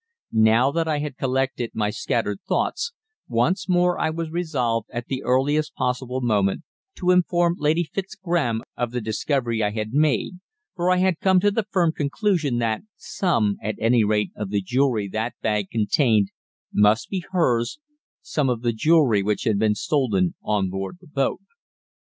Now that I had collected my scattered thoughts once more I was resolved at the earliest possible moment to inform Lady Fitzgraham of the discovery I had made, for I had come to the firm conclusion that some, at any rate, of the jewellery that bag contained must be hers, some of the jewellery which had been stolen on board the boat.